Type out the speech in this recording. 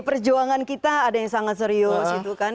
perjuangan kita ada yang sangat serius gitu kan